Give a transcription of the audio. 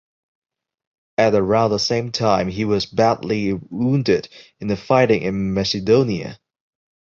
At around the same time he was badly wounded in the fighting in Macedonia.